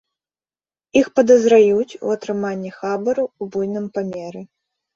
Іх падазраюць у атрыманні хабару ў буйным памеры.